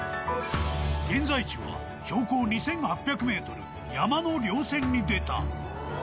現在地は標高２８００メートル、山の稜線に出た。